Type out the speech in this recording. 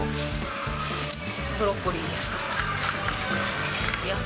ブロッコリーです。